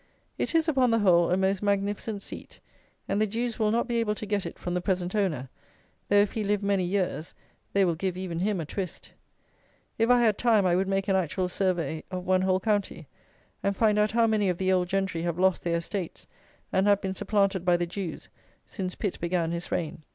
It is, upon the whole, a most magnificent seat, and the Jews will not be able to get it from the present owner; though, if he live many years, they will give even him a twist. If I had time, I would make an actual survey of one whole county, and find out how many of the old gentry have lost their estates, and have been supplanted by the Jews, since Pitt began his reign.